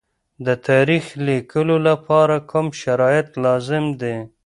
د تاریخ لیکلو لپاره کوم شرایط لازم دي؟